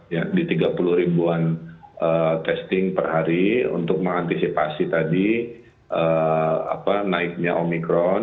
jadi tiga puluh ribuan testing per hari untuk mengantisipasi tadi naiknya omikron